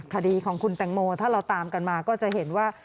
คดีของคุณแตงโมถ้าเราตามกันมาก็จะเห็นว่า